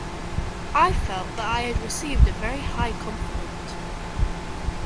I felt that I had received a very high compliment.